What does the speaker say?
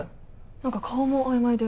なんか顔も曖昧で。